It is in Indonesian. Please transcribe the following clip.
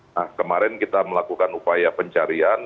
nah kemarin kita melakukan upaya pencarian